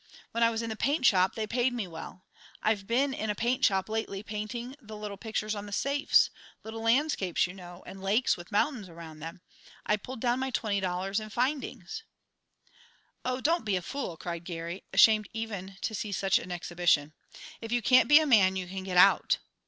When I was in the paint shop they paid me well. I've been in a paint shop lately painting the little pictures on the safes, little landscapes, you know, and lakes with mountains around them. I pulled down my twenty dollars and findings!" "Oh, don't be a fool!" cried Geary, ashamed even to see such an exhibition. "If you can't be a man, you can get out.